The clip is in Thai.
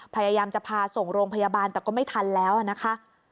พยายามจะพาส่งโรงพยาบาลแต่ก็ไม่ทันแล้วนะคะ